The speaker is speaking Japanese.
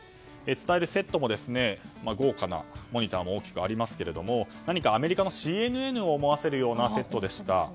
伝えるセットも豪華なモニターも大きくありますが何かアメリカのＣＮＮを思わせるかのようなセットでした。